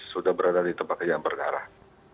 sudah berada di tempat yang berdarah